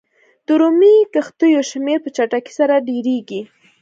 د رومي کښتیو شمېر په چټکۍ سره ډېرېږي.